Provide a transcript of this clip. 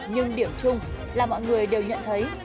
nhưng điểm chung là mọi người đều nhận thấy